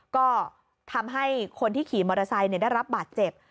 ก็ทำให้คนที่ขี่มอเตอร์ไซค์ได้รับบาดเจ็บ